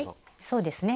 そうですね。